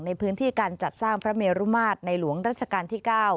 ในพื้นที่การจัดสร้างพระเมรุมาตรในหลวงรัชกาลที่๙